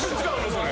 それ。